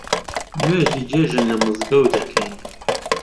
نوێژی جێژن لە مزگەوت ئەکەین